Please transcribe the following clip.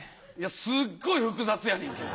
すっごい複雑やねんけど。